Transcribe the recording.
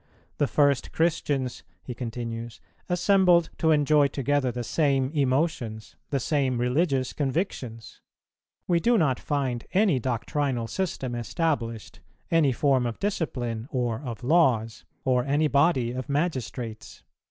The first Christians," he continues, "assembled to enjoy together the same emotions, the same religious convictions. We do not find any doctrinal system established, any form of discipline or of laws, or any body of magistrates."